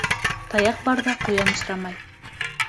Таяҡ барҙа ҡуян осрамай